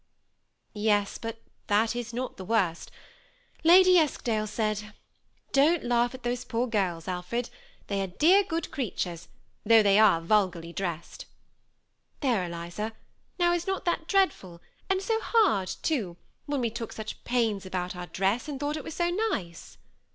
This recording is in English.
" Yes, but that is not the worst. Lady Eskdale said, * Don't laugh at those poor girls, Alfred ; they are dear THE SEMI ATTACHED COUPLE. 45 good creatures, though they are vulgarly dressed.' There, Eliza, now is not that dreadful, and so hard, too, when we took such pains about our dress, and thought it was so nice?"